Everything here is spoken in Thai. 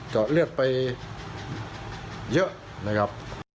อดเลือดไปเยอะนะครับ